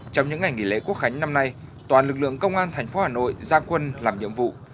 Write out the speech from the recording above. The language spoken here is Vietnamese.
trong những ngày nghỉ lễ quốc khánh năm nay toàn lực lượng công an thành phố hà nội ra quân làm nhiệm vụ